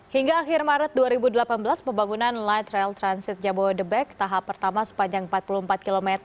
hingga akhir maret dua ribu delapan belas pembangunan light rail transit jabodebek tahap pertama sepanjang empat puluh empat km